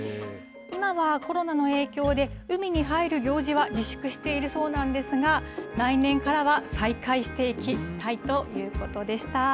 今はコロナの影響で、海に入る行事は自粛しているそうなんですが、来年からは、再開していきたいということでした。